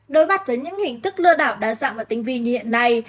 đối bặt với những hình thức lừa đảo đa dạng và tính vi như hiện nay